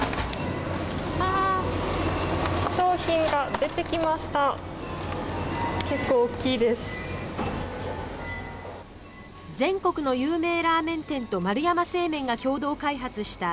商品が出てきました。